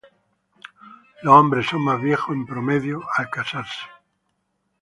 Los hombres son más viejos, en promedio, al casarse.